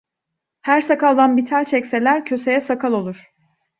Her sakaldan bir tel çekseler, köseye sakal olur.